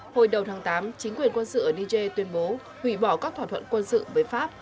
hồi đầu tháng tám chính quyền quân sự ở niger tuyên bố hủy bỏ các thỏa thuận quân sự với pháp